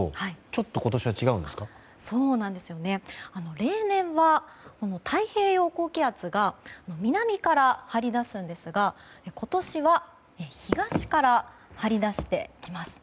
例年は太平洋高気圧が南から張り出すんですが今年は東から張り出してきます。